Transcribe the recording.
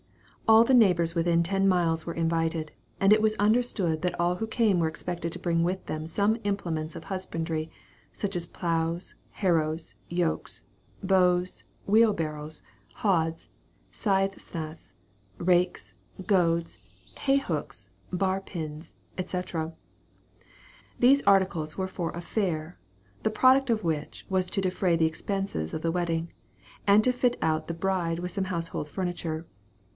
All the neighbors within ten miles were invited, and it was understood that all who came were expected to bring with them some implements of husbandry, such as ploughs, harrows, yokes, bows, wheelbarrows, hods, scythe snaths, rakes, goads, hay hooks, bar pins, &c. These articles were for a fair, the product of which was to defray the expenses of the wedding, and also to fit out the bride with some household furniture.